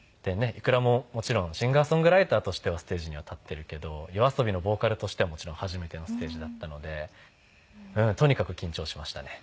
ｉｋｕｒａももちろんシンガー・ソングライターとしてはステージには立ってるけどＹＯＡＳＯＢＩのボーカルとしてはもちろん初めてのステージだったのでとにかく緊張しましたね。